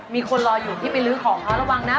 มีคนรออยู่ที่ไปลื้อของเขาระวังนะ